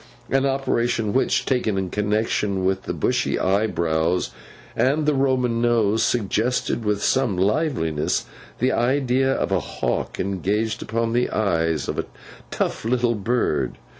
An operation which, taken in connexion with the bushy eyebrows and the Roman nose, suggested with some liveliness the idea of a hawk engaged upon the eyes of a tough little bird.